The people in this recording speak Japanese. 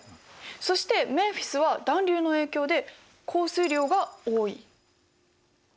そしてメンフィスは暖流の影響で降水量が多い。